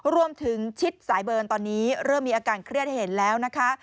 รวมถึงชิดสายเบินตอนนี้เริ่มมีอาการเครียดเห็นแล้วนะคะ